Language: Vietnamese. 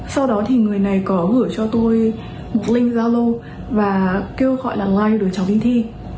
sau đó thì người này có gửi cho tôi một link zalo và kêu gọi là like đối chọn bình thi